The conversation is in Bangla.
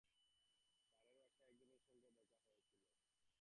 স্যারের বাসায় একজনের সঙ্গে দেখা হয়েছিল।